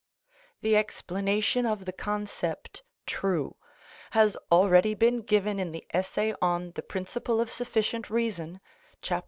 The explanation of the concept true has already been given in the essay on the principle of sufficient reason, chap.